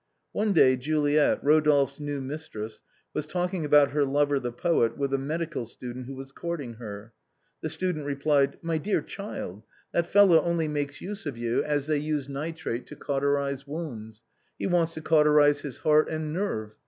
One day Juliet, Rodolphe's new mistress, was talking about her lover, the poet, with a medical student who was courting her. The student replied :" My dear child, that fellow only makes use of you as 304 EPILOGUE TO THE LOVES OF RODOLPHE AND MIMI. 305 they use nitrate to cauterize wounds. He wants to cauter ize his heart and nerve.